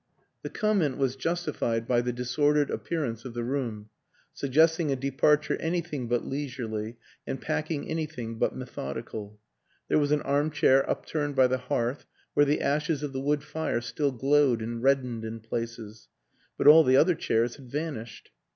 The comment was justified by the disordered appearance of the room, suggesting a departure anything but leisurely and packing anything but methodical. There was an arm chair upturned by the hearth where the ashes of the wood fire still glowed and reddened in places, but all the other chairs had vanished.